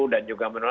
dan juga menolak